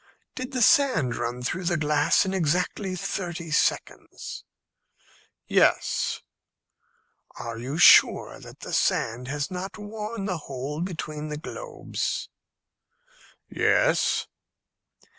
"Did the sand run through the glass in exactly thirty seconds?" "Yes." "Are you sure that the sand has not worn the hole between the globes?" "Yes."